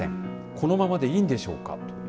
このままでいいんでしょうか？